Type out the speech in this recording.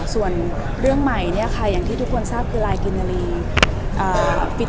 ส่วนเรื่องใหม่เนี่ยค่ะอย่างที่ทุกคนทราบคือลายกินนารี